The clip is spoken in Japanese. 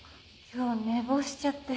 今日寝坊しちゃって。